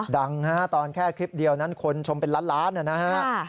ดังครับตอนแค่คลิปเดียวนั้นคนชมเป็นล้านนะครับ